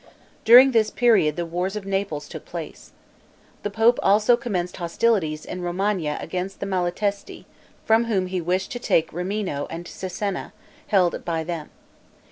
During this period the wars of Naples took place. The pope also commenced hostilities in Romagna against the Malatesti, from whom he wished to take Rimino and Cesena, held by them.